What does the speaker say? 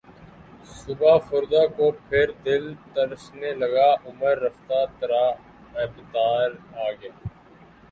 صبح فردا کو پھر دل ترسنے لگا عمر رفتہ ترا اعتبار آ گیا